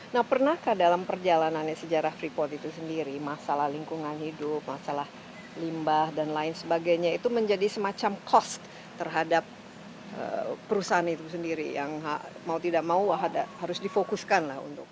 nah pernahkah dalam perjalanannya sejarah freeport itu sendiri masalah lingkungan hidup masalah limbah dan lain sebagainya itu menjadi semacam cost terhadap perusahaan itu sendiri yang mau tidak mau harus difokuskan lah untuk